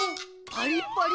パリッパリ。